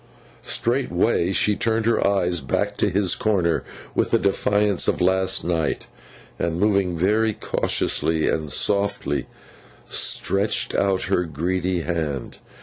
Straightway she turned her eyes back to his corner, with the defiance of last night, and moving very cautiously and softly, stretched out her greedy hand.